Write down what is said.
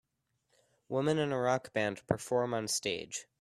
Women in a rock band perform on stage.